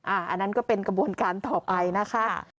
อันนั้นก็เป็นกระบวนการต่อไปนะคะ